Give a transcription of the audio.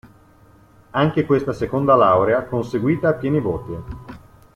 Anche questa seconda laurea conseguita a pieni voti.